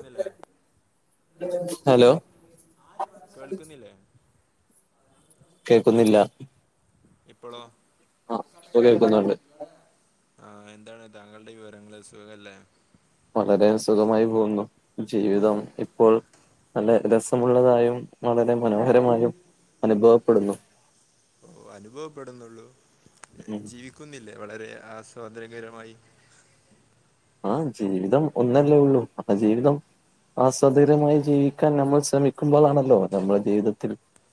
ന്നില്ലേ hello കേൾക്കുന്നില്ലേ കേക്കുന്നില്ല ഇപ്പോളോ ആ ഇപ്പൊ കേൾക്കുന്നുണ്ട് ആഹ് എന്താണ് താങ്കൾടെ വിവരങ്ങള് സുഖല്ലേ വളരെ സുഖമായി പോവുന്നു ജീവിതം ഇപ്പോൾ നല്ല രസമുള്ളതായും വളരെ മനോഹരമായും അനുഭവപ്പെടുന്നു ഓ അനുഭവപ്പെടുന്നുള്ളൂ ഉം ജീവിക്കുന്നില്ലേ വളരെ ആസ്വാദനകരമായി ആഹ് ജീവിതം ഒന്നല്ലേള്ളൂ അപ്പ ജീവിതം ആസ്വാദരയമായി ജീവിക്കാൻ നമ്മൾ ശ്രമിക്കുമ്പോളാണല്ലോ നമ്മുടെ ജീവിതത്തിൽ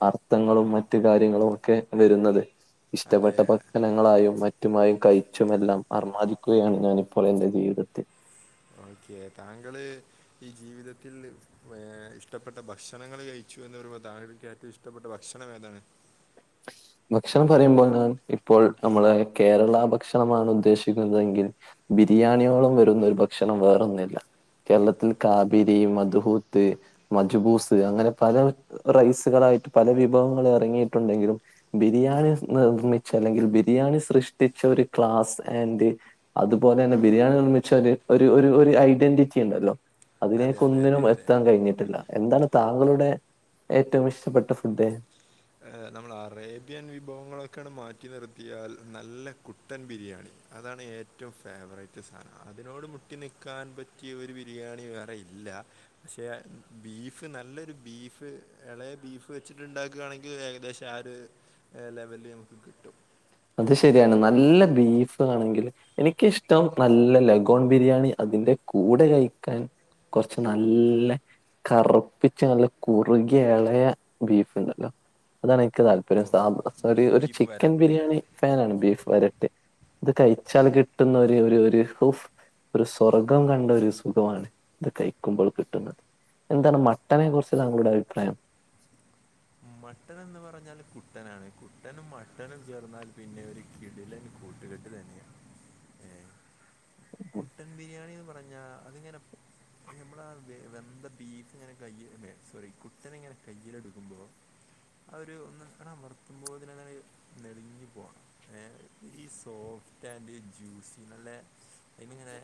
അർത്ഥങ്ങളും മറ്റു കാര്യങ്ങളും ഒക്കെ വരുന്നത് അതെ ഇഷ്ടപ്പെട്ട ഭക്ഷണങ്ങളായും മറ്റുമായും കഴിച്ചുമെല്ലാം ആർമാദിക്കുകയാണ് ഞാനിപ്പോൾ എന്റെ ജീവി സത്യം ഓക്കെ താങ്കൾ ഈ ജീവിതത്തിൽ ഏഹ് ഇഷ്ടപ്പെട്ട ഭക്ഷണങ്ങൾ കഴിച്ചു എന്ന് പറയുമ്പോൾ താങ്കൾക്ക് ഏറ്റവും ഇഷ്ടപ്പെട്ട ഭക്ഷണം ഏതാണ് ഭക്ഷണം പറയുമ്പോണ് ഇപ്പോൾ നമ്മള കേരള ഭക്ഷണമാണ് ഉദ്ദേശിക്കുന്നതെങ്കിൽ ബിരിയാണിയോളം വരുന്ന ഒരു ഭക്ഷണം വേറൊന്നില്ല കേരളത്തിൽ കാബേരിയും മധുഹൂത്ത് മജ്ബൂസ് അങ്ങനെ പല റൈസുകളായിട്ട് പല വിഭവങ്ങൾ ഇറങ്ങിയിട്ടുണ്ടെങ്കിലും ബിരിയാണി നിർമ്മിച്ച അല്ലെങ്കിൽ ബിരിയാണി സൃഷ്ടിച്ച ഒരു ക്ലാസ് ആൻഡ് അതുപോലെന്നെ ആ ബിരിയാണി നിർമ്മിച്ച ഒരു ഒരു ഒരു ഐഡന്റിറ്റി ഉണ്ടല്ലോ അതെ അതിനേക്ക് അതെ അതെ ഒന്നിനും അതെ യെത്താൻ കഴിഞ്ഞിട്ടില്ല എന്താണ് താങ്കളുടെ ഏറ്റവും ഇഷ്ടപ്പെട്ട ഫുഡ് നമ്മൾ അറേബ്യൻ വിഭവങ്ങളൊക്കെ അണ്ട്‌ മാറ്റി നിർത്തിയാൽ നല്ല കു ട്ടൻ ബിരിയാണി അതാണ് ഏറ്റവും ഫേവറേറ്റ് സാനം അതിനോട് മുട്ടി നിൽക്കാൻ പ റ്റിയ ഒരു ബിരിയാണി വേറെ ഇല്ല പക്ഷേ ബീഫ് നല്ലൊരു ബീഫ് എളയെ ബീഫ് വെച്ചിട്ടുണ്ട ക്കാണെങ്കിൽ ഏകദേശം ആ ഒരു ലെവലി നമുക്ക് കിട്ടും അത് ഏഹ് ശരിയാണ് നല്ല ബീഫ് ആണെങ്കിൽ എനിക്കിഷ്ടം നല്ല ലഗോൺ ബിരിയാണി അതിന്റ കൂടെ കഴിക്കാൻ കൊറച്ച്നല്ല കറുപ്പിച്ച നല്ല കുറുകിയ എളയ ബീഫ് ഇണ്ടല്ലോ അതാണ് എക്ക് ഓ താല്പര്യംസാ ഒരു ബീ- ഒരു ബീഫ് ചിക്കൻ വരട്ടില്ലേ ബിരിയാണി ഫാനാണ് ബീഫ് വരട്ട് ഇത് ഓക്കെ കഴിച്ചാൽ കിട്ടുന്ന ഒരു ഒരു ഒരു ഉഫ് ഒരു സ്വർഗം കണ്ട ഒരു സുഖമാണ് ഇത് കയിക്കുമ്പോൾ കിട്ടുന്നത് എന്താണ് മട്ടനെ കുറിച്ച് താങ്കളുടെ അഭിപ്രായം മട്ടൻ എന്ന് പറഞ്ഞാൽ കുട്ടനാണ് കുട്ടനും മട്ടനും ചേർന്നാൽ പിന്നെ ഒരു കിടിലൻ കൂട്ടുകെട്ട് തന്നെയാ കുട്ടൻ ബിരിയാണി എന്ന് പറഞ്ഞ അതിങ്ങനെ [inaudible] നമ്മളാ വെ വെന്ത ബീഫിങ്ങനെ കയ്യ് സോറി കുട്ടനിങ്ങനെ കയ്യില് എടുക്കുമ്പോ ആഹ് ഒരു ഒന്ന് അമർത്തുമ്പോത്തിനങ്ങന നെടിഞ്ഞു പോണം ഹെ ഈ സോഫ്റ്റ് ആൻഡ് ജ്യൂസി നല്ല ആയിമ്മങ്ങനെ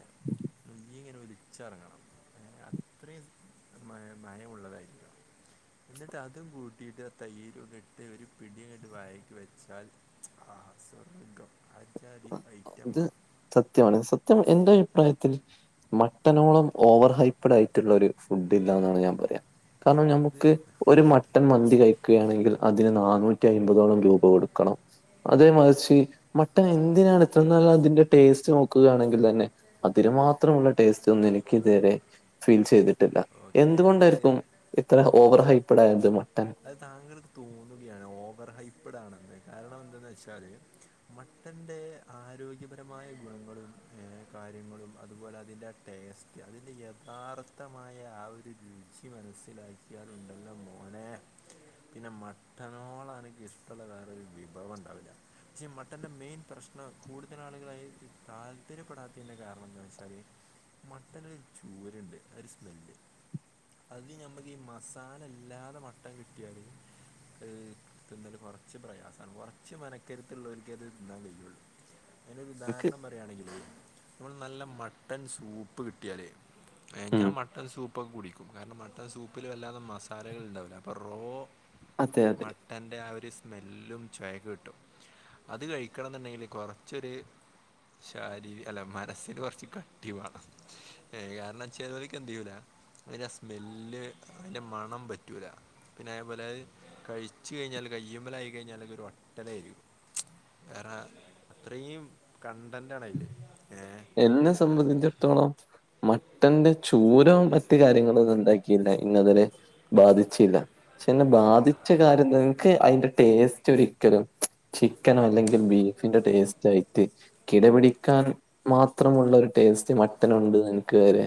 [unintelligible] ഇങ്ങനെ ഒലിച്ചിറങ്ങണം അത്രിം മയമുള്ളതായിരിക്കണം എന്നിട്ട് അതും കൂട്ടിയിട്ട് ആ തൈരുങ്ങട്ട് ഒരു പിടിയങ്ങട്ട് വായ്ക്ക് വെച്ചാൽ ആഹ് സ്വർഗം അജ്ജാദി ഐറ്റം ഇത് ആഹ് സത്യമാണ് സത്യം എന്റെ അഭിപ്രായത്തിൽ മട്ടനോളം ഓവർ ഹൈപ്പഡ് ആയിട്ടുള്ള ഒരു ഫുഡില്ല എന്നാണ് ഞാൻ പറയാ കാരണം ഞമ്മുക്ക് അത് ഒരു മട്ടൺ മന്തി കഴിക്കുകയാണെങ്കിൽ അതിന് നാനൂറ്റി അയ്മ്പതോളം രൂപ കൊടുക്കണം അതേ മറിച്ച് മട്ടൻ എന്തിനാണ് ഇത്ര നല്ല അതിന്റെ ടേസ്റ്റ് നോക്കുകയാണെങ്കിൽ തന്നെ അതിനുമാത്രമുള്ള ടേസ്റ്റ് ഒന്നും എനിക്ക് ഇതുവരെ ഫീൽ ചെയ്തിട്ടില്ല ഓക്കെ അത് എന്തുകൊണ്ടാര്ക്കും ഇത്ര ഓവർ ഹൈപ്പഡ് ആയത് മട്ടൻ അത് താങ്കൾക്ക് തോന്നുകയാണ് ഓവർ ഹൈപ്പഡാണന്ന് കാരണം എന്തന്ന് വെച്ചാല് മട്ടന്റെ ആരോഗ്യപരമായ ഗുണങ്ങളും ഏഹ് കാര്യങ്ങളും അതുപോലെ അതിന്റെ ടേസ്റ്റ് അതിൻ്റെ യഥാർത്ഥമായ ആ ഒരു രുചി മനസ്സിലാ കിയാലുണ്ടല്ലൊ മോനെ പിന്നെ മട്ടനോള എനിക്ക് ഇഷ്ടമുള്ള വേറെ ഒരു വിഭവം ഉണ്ടാവില്ല പക്ഷേ മട്ടന്റെ മെയിൻ പ്രശ്നം കൂടുതൽ ആളുകളായി താല്പര്യപ്പെടാത്തതിന്റെ കാരണം എന്താ വെച്ചാല് മട്ടന് ഒരു ചൂരുണ്ട് അ ഒരു സ്മെല്ല് അത് നമ്മക്ക് ഈ മസാല ഇല്ലാതെ മട്ടൻ കിട്ടിയല് ഏ തിന്നല് കുറച്ച് പ്രയാസമാണ് കുറച്ച് മനക്കരുത്തുള്ളവർക്ക് അത് തിന്നാൻ കയിയുള്ളൂ അതിനൊരു എനിക്ക് ഉദാഹരണം പറയുകയാണെങ്കിൽ നമ്മൾ നല്ല മട്ടൻ സൂപ്പ് കിട്ടിയാലേ ഞൻ ഉം മട്ടൺ സൂപ്പൊക്കെ കുടിക്കും കാരണം മട്ടൺ സൂപ്പിൽ വല്ലാതെ മസാലകൾ ഉണ്ടാവില്ല അപ്പൊ റോ അതെ അതെ ത്റെ ആ ഒരു സ്മെല്ലും ചായക്ക് കിട്ടും അത് കഴിക്കണം എന്നുണ്ടെങ്കില് കൊറച്ചൊരു ശാരീരി അല്ല മനസ്സിന് കുറച്ച് കട്ടി വേണം ഏ കാരണംച്ചേലവലക്ക് എന്ത്‌ ചെയ്യൂല അതിന്റെ സ്മെല്ല് അതിറെ മണം പറ്റൂല പിന്നെ അതേപോലെ കഴിച്ചു കഴിഞ്ഞാല് കയ്യുമ്മല ആയി കഴിഞ്ഞാൽ ഒരു ഒട്ടലായിരിക്കും വേറെ അത്രയും കണ്ടന്റ് ആണ അതില് ഏ എന്നെ സംബന്ധിച്ചിടത്തോളം മട്ടന്റെ ചൂരവും മറ്റു കാര്യങ്ങളും ഒന്ന ഉണ്ടാക്കിയില്ല ഇങ്ങ അതിെ ബാധിച്ചില്ല ക്ഷെ എന്നെ ബാധിച്ച കാര്യന്താ അതിന്റെ ടേസ്റ്റ് ഒരിക്കലും ചിക്കന അല്ലെങ്കിൽ ബീഫിന്റെ ടേസ്റ്റ് ആയിട്ട് കിടപിടിക്കാൻ മാത്രമുള്ള ഒരു ടേസ്റ്റ് മട്ടൻ ഉണ്ട്ന്ന് എനിക്ക് വരെ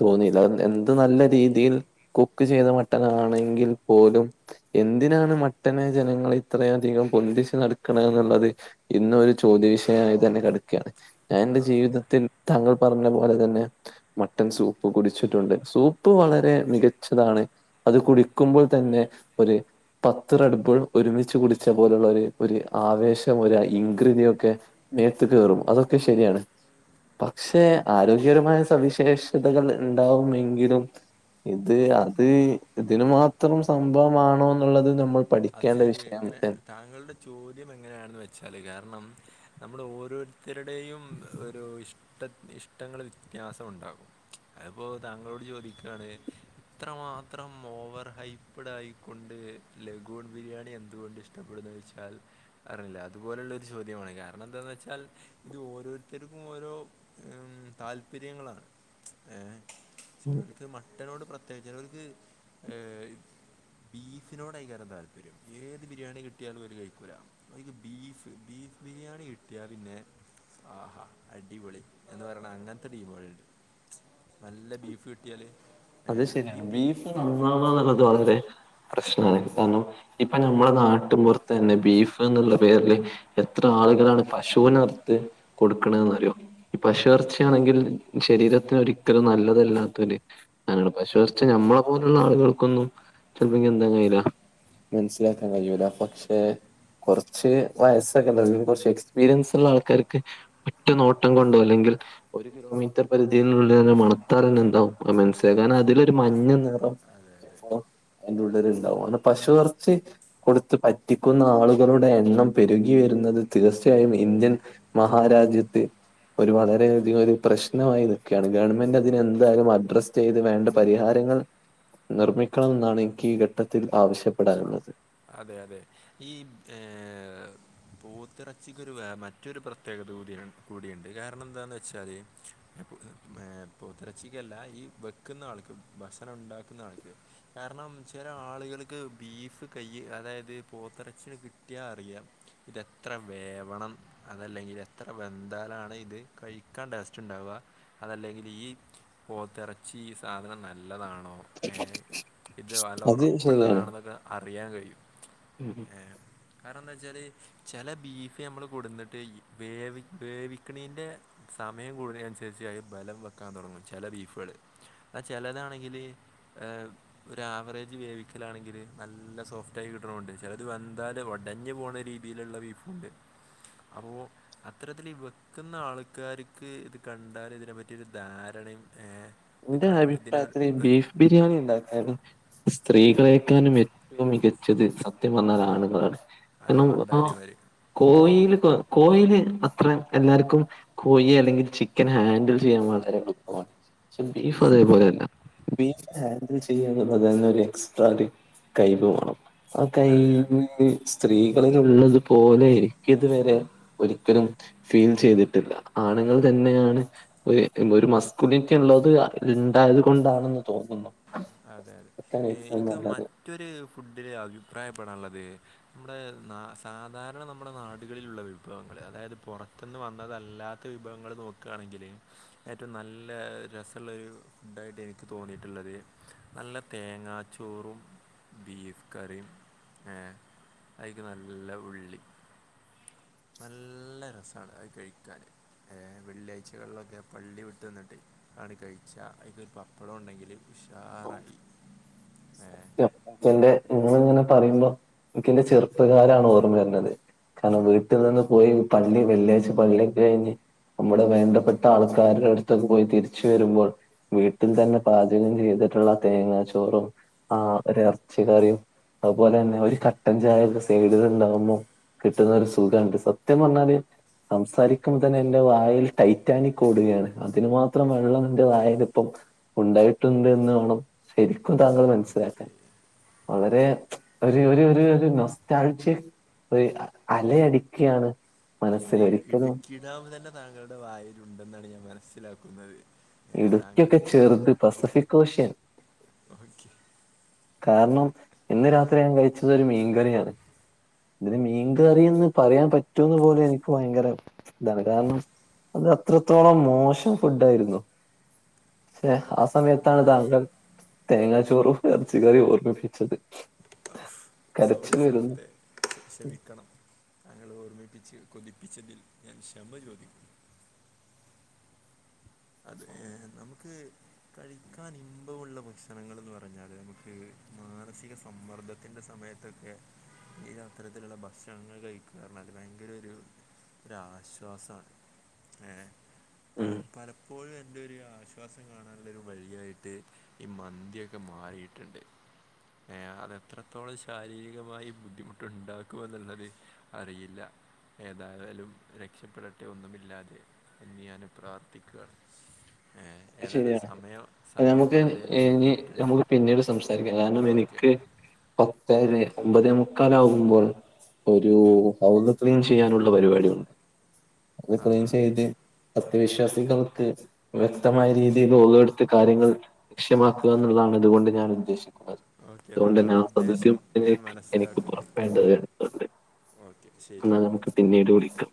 തോന്നിയില്ല എന്ത് നല്ല രീതിയിൽ കുക്ക് ചെയ്ത മട്ടനാണെങ്കിൽ പോലും എന്തിനാണ് മട്ടനെ ജനങ്ങൾ ഇത്രയധികം പൊന്തിച്ച് നടക്കണ എന്നുള്ളത് ഇന്ന്‌ ഒരു ചോദ്യ വിഷയമായിത് തന്നെ കിടക്കാണ് ഞാൻ എറെ ജീവിതത്തിൽ താങ്കൾ പറഞ്ഞ പോലെ തന്നെ മട്ടൺ സൂപ്പ് കുടിച്ചിട്ടുണ്ട് സൂപ്പ് വളരെ മികച്ചതാണ് അത് കുടിക്കുമ്പോൾ തന്നെ ഒരു പത്ത് റെഡിബുൾ ഒരുമിച്ച് കുടിച്ച പോലുള്ള ഒരു ഒരു ആവേശം ഒരു ഇൻക്്രിതി ഒക്കെ ദേഹത്തു കേറും അതൊക്കെ ശരിയാണ് പക്ഷെ ആരോഗ്യപരമായ സവിശേഷതകൾ ഉണ്ടാവുമെങ്കിലും ഇത് അത് ഇതിന് മാത്രം സംഭവമാണോ എന്നുള്ളത് നമ്മൾ അത് പഠിക്കേണ്ട വിഷയം എങ്ങനെ താങ്കളുടെ ചോദ്യം എങ്ങനെയാണെന്ന് വെച്ചാൽ കാരണം നമ്മൾ ഓരോരുത്തരുടെയും ഒരു ഇഷ്ട ഇഷ്ടങ്ങൾ വ്യത്യാസം ഉണ്ടാകും അപ്പോ താങ്കളോട് ചോദിക്കാതെ ഇത്രമാത്രം ഓവർ ഹൈപ്പ്ഡ് ആയിക്കൊണ്ട് ല ഗോൺ ബിരിയാണി എന്തുകൊണ്ട് ഇഷ്ടപ്പെടുന്ന വെച്ചാൽ അറീല അതുപോലെയുള്ള ഒരു ചോദ്യമാണ് കാരണം എന്താെന്ന് വെച്ചാൽ ഇത് ഓരോരുത്തർക്കും ഓരോ ഉ താല്പര്യങ്ങളാണ് ഏ ചിലർക്ക് മട്ടനോട് പ്രത്യേകിച്ച് ചിലർക്ക് ബീഫിനോട്യക്ക താല്പര്യം ഏത് ബിരിയാണി കിട്ടിയാലും ഓരു കഴിക്കൂല അക്ക് ബീഫ് ബീഫ് ബിരിയാണി കിട്ടിയാൽ പിന്നെ ആഹാ അടിപൊളി എന്ന് പറയണ അങ്ങനത്തെ ടീമുകളുണ്ട് നല്ല ബീഫ് കിട്ടിയാല് ഈ ബീ നത് വളരെ പ്രശ്നമാണ് കാരണം ഇപ്പൊ നമ്മള നാട്ടി പുറത്തുതന്നെ ബീഫ് എന്നുള്ള പേരില് എത്ര ആളുകളാണ് പശുവിനറത്ത് കൊടുക്കണന്ന്റിയോ പശു ഇറച്ചിയാണെങ്കിൽ ശരീരത്തിന് ഒരിക്കലും നല്ലതല്ലാത്ത അങ്ങാന പശു ഇറച്ചി ഞമ്മളെ പോലുള്ള ആളുകൾക്കൊന്നും ചെലപ്പംഗി എന്തേയ്യൂല മനസ്സിലാക്കാൻ കയ്യൂല പക്ഷെ കുറച്ച് വയസ്സൊക്കെ ഉണ്ട കുറച്ച് എക്സ്പീരിയൻസ് ഉള്ള ആൾക്കാർക്ക് ഒറ്റ നോട്ടം കൊണ്ടോ അല്ലെങ്കിൽ ഒരു കിലോമീറ്റർ പരിധിയിലുള്ള തെ മണതറിയണ്ണ്ടാവും എന്താ [unintelligible] അതിലൊരു മഞ്ഞ നിറം അതെ അതെ ചിലപ്പോ അതിന്റെ ഉള്ളില് ഉണ്ടാവും അതിന് പശു ഇറച്ചി കൊടുത്ത് പറ്റിക്കുന്ന ആളുകളുടെ എണ്ണം പെരുകി വരുന്നത് തീർച്ചയായും ഇന്ത്യൻ മഹാരാജ്യത്ത് ഒരു വളരെയധികം ഒരു പ്രശ്നമായി നിക്കയാണ് ഗവൺമെന്റ് അതിനെന്തായാലും അഡ്രസ് ചെയ്ത് വേണ്ട പരിഹാരങ്ങൾ നിർമ്മിക്കണം എന്നാണ് എനിക്ക് ഈ ഘട്ടത്തിൽ ആവശ്യപ്പെടാനുള്ളത്. അതെ അതെ ഈ ഏഹ് പോത്തിറച്ചിക്കൊരു വേ മറ്റൊരു പ്രത്യേകത കൂടിയാണ് കൂടിയുണ്ട് കാരണം എന്താന്ന് വെച്ചാല് മേ പോത്തെറച്ചിക്കല്ല ഈ വെക്കുന്ന ആൾക്ക് ഭക്ഷണ ഉണ്ടാക്കുന്ന ആൾക്ക് കാരണം ചില ആളുകൾക്ക് ബീഫ് കൈയ്യ് അതായത് പോത്തിറച്ചില് കിട്ടിയാ അറിയാം. ഇതെത്ര വേവണം അതല്ലെങ്കിൽ എത്ര വെന്താലാണ് ഇത് കഴിക്കാൻ ടേസ്റ്റ് ഇണ്ടാവാ. അതല്ലെങ്കിൽ ഈ പോത്തിറച്ചി ഈ സാധനം നല്ലതാണോ? ഏഹ് ഇത് നല്ല അത് ഉറപ്പുള്ളതാണോന്നൊക്കെ അറിയാൻ കഴിയും. ഉം മ്ഹ് ആഹ് കാരണം എന്താ വെച്ചാല് ചില ബീഫ് ഞമ്മള് കൊടുന്നിട്ട് വേവി വേവിക്കണീൻ്റെ സമയം കൂടി അനുസരിച്ചായി ബലം വെക്കാൻ തുടങ്ങും ചില ബീഫുകള്. ആ ചിലതാണെങ്കില് ഏഹ് ഒരു ആവറേജ് വേവിക്കലാണെങ്കില് നല്ല സോഫ്റ്റ് ആയി കിട്ടണുണ്ട് ചിലത് വെന്താലും ഉടഞ്ഞ് പോണ രീതിയിലുള്ള ബീഫുണ്ട്. അപ്പോ അത്തരത്തില് ഈ വെക്കുന്ന ആൾക്കാർക്ക് ഇത് കണ്ടാൽ ഇതിനെ പറ്റിയൊരു ധാരണയും ഏഹ് ഇത് എന്റെ കാ ഇതിനൊരു അഭിപ്രായത്തില് ഇത് ബീഫ് ബിരിയാണി ഉണ്ടാക്കാനും സ്ത്രീകളെക്കാനുമേ റ്റവും മികച്ചത് സത്യം പറഞ്ഞ ആണുങ്ങളാണ് അതെ കാരണം ആഹ് പണ്ടാരിമാര് കോയീല് കോ കോയില് അത്രേ എല്ലാർക്കും കോയി അല്ലെങ്കിൽ ചിക്കന് ഹാൻഡിൽ ചെയ്യാൻ വളരെ എളുപ്പമാണ്. ച്ചും ബീഫ് അതേ പോലെന്നെ ബീഫ് ഹാൻഡിൽ ചെയ്യാന്നു പറഞ്ഞ അത് തന്നെ ഒരു എക്സ്ട്രാ ഒരു കയിവ് വേണം ആ അതെ അതെ കയിവില് സ്ത്രീകളിലുള്ളതു പോലെ ഇനിക്കിതുവരെ ഒരിക്കലും ഫീൽ ചെയ്തിട്ടില്ല ആണുങ്ങൾ തന്നെയാണ് ഒരു ഒരു മസ്കുലിൻ ക്കുള്ളത് ആണ്ടായത് കൊണ്ടാണെന്ന് തോന്നുന്നു അതെ അതെ അതാണ് ഏറ്റവും എനിക്ക് നല്ലത് മറ്റൊരു ഫുഡില് അഭിപ്രായപ്പെടാനുള്ളത് നമ്മുടെ ന സാധാരണ നമ്മുടെ നാടുകളിലുള്ള വിഭവങ്ങള് അതായത് പുറത്തുനിന്ന് വന്നതല്ലാ ക്ക് വിഭവങ്ങള് നോക്കുകയാണെങ്കില് ഏറ്റവും നല്ല രസമുള്ളൊരു ഫുഡായിട്ട് എനിക്ക് തോന്നിയിട്ടുള്ളത് നല്ല തേങ്ങാച്ചോറും ബീഫ് കറിയും ഏഹ് അയിന് നല്ല ഉള്ളി നല്ല രസാണ് അത് കഴിക്കാന് ഏഹ് വെള്ളിയാഴ്ചകളിലൊക്കെ പള്ളി വിട്ട് വന്നിട്ട് അങ്ങട് കഴിച്ച അതിലൊരു പപ്പടം ഉണ്ടെങ്കില് ഉഷാറായി. ൻ്റെ അപ്പൂപ്പന്റെ നിങ്ങളിങ്ങനെ പറയുമ്പോ എനിക്കെന്റെ ചെറുപ്പകാലാണ് ഓർമ്മ വരണത്. കാരണം വീട്ടിൽ നിന്ന് പോയി പള്ളി വെള്ളിയാഴ്ച പള്ളി പോയി കഴിഞ്ഞ് നമ്മുടെ വേണ്ടപ്പെട്ട ആൾക്കാരുടെ അടുത്തൊക്ക പോയി തിരിച്ചുവരുമ്പോൾ വീട്ടിൽ തന്നെ പാചകം ചെയ്തിട്ടുള്ള തേങ്ങാ ചോറും ആ ഒരു ഇറച്ചി കറിയും അതുപോലെ തന്നെ ഒരു കട്ടൻ ചായ കൂടെ സൈഡിലുണ്ടാവുമ്പോ കിട്ടുന്ന ഒരു സുഖം ഉണ്ട് സത്യം പറഞ്ഞാല് സംസാരിക്കുമ്പോൾ തന്നെ എൻ്റെ വായിൽ ടൈറ്റാനിക് ഓടുകയാണ്. അതിന് മാത്രം വെള്ളം എന്റെ വായിലിപ്പം ഉണ്ടായിട്ടുണ്ടെന്നോണം ശരിക്കും താങ്കൾ മനസ്സിലാക്കാൻ ഓക്കെ വളരെ ഒരു ഒരു ഒരു നൊസ്റ്റാൾജിയ ഒരു അലയടിക്കയാണ്. ഒരു ഇ ഇടുക്കി ഡാം തന്നെ താങ്കളുടെ വായില് ഉണ്ടെന്നാണ് ഞാൻ മനസ്സിലാക്കുന്നത്. ഏ, ഇടുക്കിയൊക്കെ താങ്കൾക്ക് ചെറുത് പെസഫിക് ഓഷ്യൻ. ഓക്കെ കാരണം ഇന്ന് രാത്രി ഞാൻ കഴിച്ചത് ഒരു മീൻകറിയാണ്. ഇതിന് മീൻകറിയന്ന് പറയാൻ പറ്റുമൊന്ന് പോലെ എനിക്ക് ഭയങ്കര ഇതാണ് കാരണം, അത് അത്രത്തോളം മോശം ഫുഡ ആയിരുന്നു. പേ ആ അതെ സമയത്താണ് ഞാൻ താങ്കൾ തേങ്ങാച്ചോറും ഇറച്ചി കറിയും ഓർമ്മിപ്പിച്ചത്. അഫ് സോറി കരച്ചിൽ വരുന്നു സൂഹ്ർത്തെ. ശമിക്കണം, ഞങ്ങെ ഓർമ്മിപ്പിച്ച് കൊതിപ്പിച്ചതിൽ ഞാൻ ക്ഷമ ചോദിക്കും അതെ നമുക്ക് കഴിക്കാൻ ഇമ്പമുള്ള ഭക്ഷണങ്ങൾ എന്ന് പറഞ്ഞാല് നമുക്ക് മാനസിക സമ്മർദ്ദത്തിന്റെ സമയത്ത് ഇതൊക്കെ ഈ അത്തരത്തിലുള്ള ഭക്ഷണങ്ങൾ കഴിക്കാർനാല് ഭയങ്കര ഒരു ഒരാശ്വാസാണ് ഏ പ ഉം, പല ഇപ്പോഴും എൻ്റെ ഒരു ആശ്വാസം കാണാനുള്ള ഒരു വഴിയായിട്ട് ഈ മന്തിയൊക്കെ മാറിട്ടുണ്ട്. ഏ അതെത്രത്തോളം ശാരീരികമായി ബുദ്ധിമുട്ടുണ്ടാക്കും എന്നുള്ളത്‌ അറിയില്ല. ഏതായാലും രക്ഷപ്പെടട്ടെ ഒന്നുമില്ലാതെ എന്ന് ഞാന് പ്രാർത്ഥിക്കാണ്. ഏ അത് ഏതായാലും ശരിയാണ് സമയം സമയം നമുക്ക് വളരെ ഇനി വൈകിയിട്ടുണ്ട് നമുക്ക് പിന്നീട് ഓ ക്കെ. പതെരേ ഒമ്പതേ മുക്കാല ആകുമ്പോൾ ഒരു ഹൗള് ക്ലീൻ ചെയ്യാനുള്ള പരിപാടിആണ്. ആ അത്രയും ചെയ്ത് സത്യവിശ്വാസികൾക്ക് വ [unintelligible] ശ്യക്തമായ രീതിയിൽ വുളൂഅടുത്ത് കാര്യങ്ങൾ ലക്ഷ്യമാക്കുക എന്നുള്ളതാണ് ഇതുകൊണ്ട് ഞാൻ ഉദ്ദേശിക്കുന്നത്. ഓക്കെ അതുകൊണ്ട്ന്നെ താങ്കളുടെ ആ ഉദ്ദേശം ഞാൻ [unintelligible] എനിക്ക് മനസ്സിലാക്കുന്നു. പുറപ്പെേണ്ടണ്ട് [unintelligible] ഓക്കെ ശരി. എന്നാൽ നമുക്ക് പിന്നീട് വിളിക്കാം.